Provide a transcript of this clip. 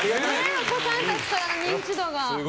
お子さんたちからの認知度が。